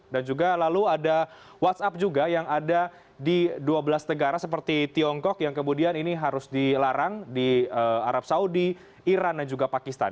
dan juga lalu ada whatsapp juga yang ada di dua belas negara seperti tiongkok yang kemudian ini harus dilarang di arab saudi iran dan juga pakistan